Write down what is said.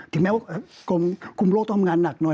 ถึงแม้ว่ากรมคุมโรคต้องทำงานหนักหน่อย